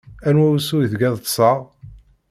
Anwa usu ideg ad ṭṭseɣ.